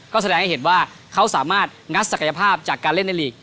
ก็แสดงให้เห็นว่าเขาสามารถงัดศักยภาพจากการเล่นในลีก